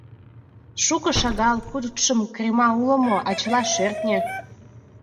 Шуко-шагал, куд-шым кремга уло, а чыла шӧртньӧ...